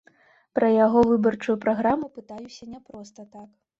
Пра яго выбарчую праграму пытаюся не проста так.